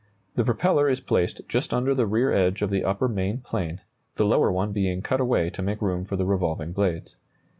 The propeller is placed just under the rear edge of the upper main plane, the lower one being cut away to make room for the revolving blades.